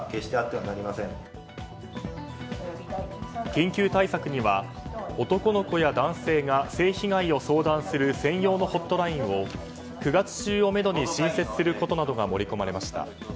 緊急対策には男の子や男性が性被害を相談する専用のホットラインを９月中をめどに新設することなどが盛り込まれました。